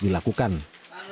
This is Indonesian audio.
dan mereka tidak akan melakukan